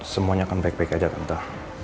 semuanya akan baik baik aja entah